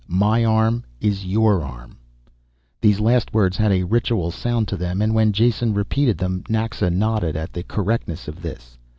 My arm is your arm." These last words had a ritual sound to them, and when Jason repeated them, Naxa nodded at the correctness of this.